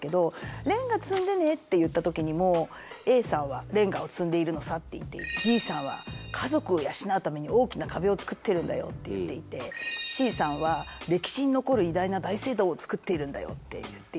レンガ積んでねって言った時にもＡさんはレンガを積んでいるのさって言ってＢさんは家族を養うために大きな壁を造ってるんだよって言っていてＣさんは歴史に残る偉大な大聖堂を造っているんだよって言っている。